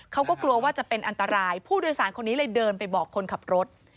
เขาก็กลัวว่าจะเป็นอันตรายผู้โดยสารคนนี้เลยเดินไปบอกคนขับรถ